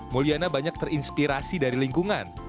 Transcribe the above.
mulyana banyak terinspirasi dari lingkungan